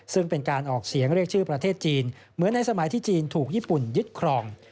ซึ่งเป็นการออกเสียงเรียกชื่อประเทศจีนเหมือนในสมัยที่จีนถูกญี่ปุ่นยึดครอง